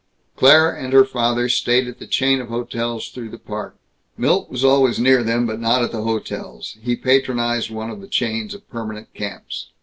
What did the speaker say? Claire and her father stayed at the chain of hotels through the Park. Milt was always near them, but not at the hotels. He patronized one of the chains of permanent camps.